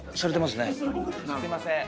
すみません。